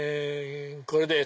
これです！